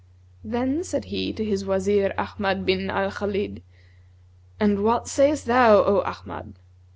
Then said he to his Wazir Ahmad bin al Khбlid, 'And what sayest thou, O Ahmad?'